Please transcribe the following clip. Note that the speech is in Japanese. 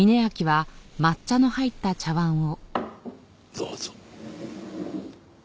どうぞ。